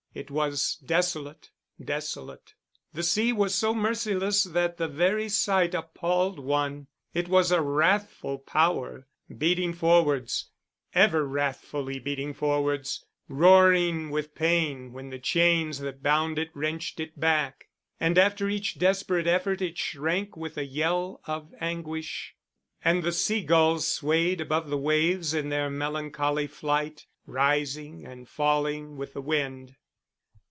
It was desolate, desolate; the sea was so merciless that the very sight appalled one: it was a wrathful power, beating forwards, ever wrathfully beating forwards, roaring with pain when the chains that bound it wrenched it back; and after each desperate effort it shrank with a yell of anguish. And the seagulls swayed above the waves in their melancholy flight, rising and falling with the wind.